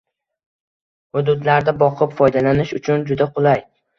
hududlarida boqib foydalanish uchun juda qulay.